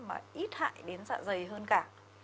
mà ít hại đến dạ dày hơn cả